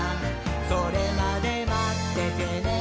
「それまでまっててねー！」